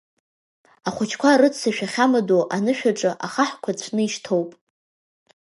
Ахәыҷқәа рыццышә ахьамадоу анышә аҿы ахаҳәқәа цәны ишьҭоуп.